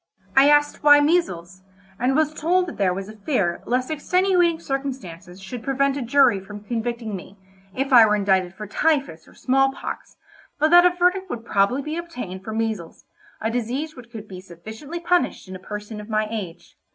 I asked why measles? and was told that there was a fear lest extenuating circumstances should prevent a jury from convicting me, if I were indicted for typhus or small pox, but that a verdict would probably be obtained for measles, a disease which could be sufficiently punished in a person of my age.